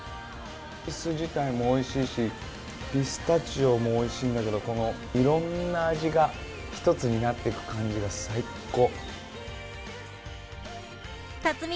ムース自体もおいしいし、ピスタチオもおいしいんだけど、いろんな味が一つになっていく感じが最高。